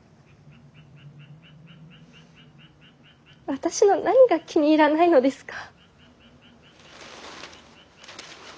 私の何が気に入らないのですか。